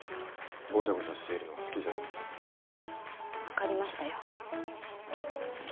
ゴチャゴチャしているのは好きじゃありません分かりましたよ